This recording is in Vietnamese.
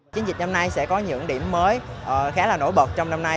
chiến dịch năm nay sẽ có những điểm mới khá là nổi bật trong năm nay